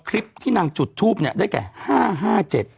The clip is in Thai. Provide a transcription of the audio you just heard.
คลิปที่นางจุดทูปได้แก่๕๕๗